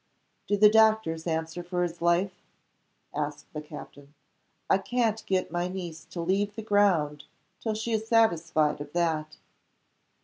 "Do the doctors answer for his life?" asked the captain. "I can't get my niece to leave the ground till she is satisfied of that."